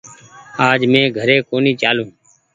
آج مينٚ گھري ڪونيٚ چآلون